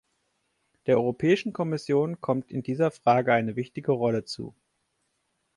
Der Europäischen Kommission kommt in dieser Frage eine wichtige Rolle zu.